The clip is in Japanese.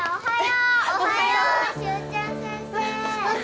おはよう。